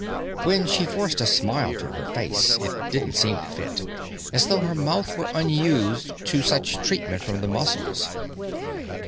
When she forced a smile to her face, it didn't seem to fit, as though her mouth were unused to such treatment from the muscles.